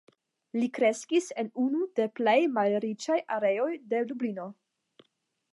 Li kreskis en unu de plej malriĉaj areoj de Dublino.